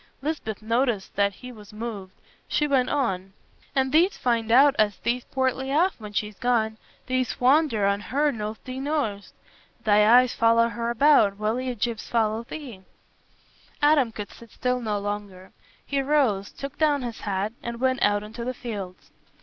Lisbeth noticed that he was moved. She went on, "An' thee't find out as thee't poorly aff when she's gone. Thee't fonder on her nor thee know'st. Thy eyes follow her about, welly as Gyp's follow thee." Adam could sit still no longer. He rose, took down his hat, and went out into the fields.